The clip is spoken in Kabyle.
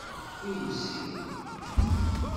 Iwsir.